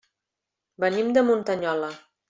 Venim de Muntanyola.